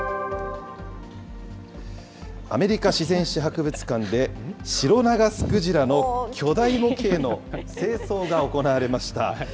アメリカ自然史博物館で、シロナガスクジラの巨大模型の清掃が行われました。